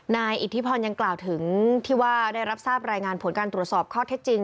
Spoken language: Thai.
นายอิทธิพรยังกล่าวถึงที่ว่าได้รับทราบรายงานผลการตรวจสอบข้อเท็จจริง